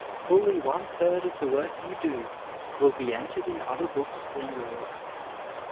Fully one third of the work you do will be entered in other books than yours.